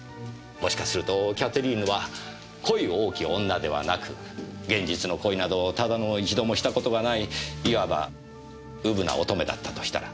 もしかするとキャテリーヌは恋多き女ではなく現実の恋などただの一度もした事がないいわばうぶな乙女だったとしたら。